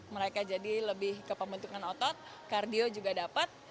mereka jadi lebih ke pembentukan otot kardio juga dapat